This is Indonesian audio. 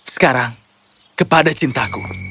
sekarang kepada cintaku